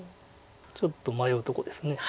ちょっと迷うとこです。